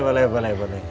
boleh boleh boleh